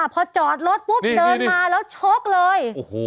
พอจอดรถปุ๊บเดินมาแล้วชกเลย